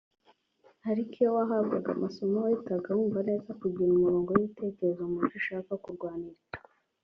ariko iyo wahabwaga amasomo wahitaga wumva neza kugira umurongo w’ibitekerezo mu byo ushaka kurwanira